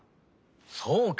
そうか。